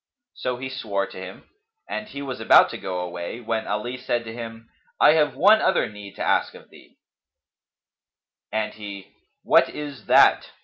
So he swore to him, and he was about to go away, when Ali said to him, "I have one other need to ask of thee;" and he, "What is that?"